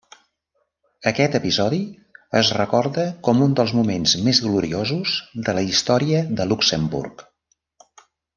Aquest episodi es recorda com un dels moments més gloriosos de la història de Luxemburg.